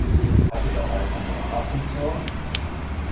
Hat es auch eine Panorama-Funktion?